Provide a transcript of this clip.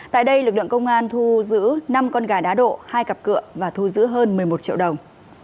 tại đây lực lượng công an thu giữ năm con gà đá độ hai cặp cựa và thu giữ hơn một mươi một triệu đồng